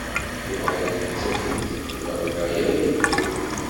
Uɣalent ttakent-d lɣella yal anebdu.